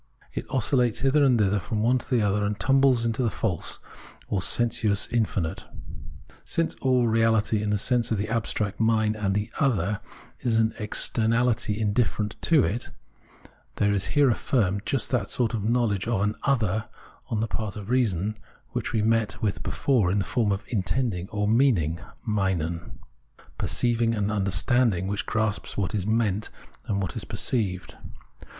It oscillates hither and thither from one to the other and tumbles into the false, or the * Kiclite, Berkeley. Reason s Certainty and Reason's Truth 231 sensuous, infinite.* Since reason is all reality in the sense of the abstract "mine," and the "other" is an externahty indifferent to it, there is here affirmed just that sort of knowledge of an " other " on the part of reason, which we met with before in the form of " intending " or " meaning " {Meinen), \" perceiving," and " understanding," which grasps what is " meant " and what is " perceived."